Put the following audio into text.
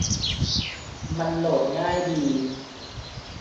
มันโหลดง่ายดี